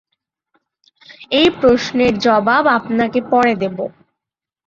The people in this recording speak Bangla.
এই প্রশ্নের জবাব আপনাকে পরে দেব।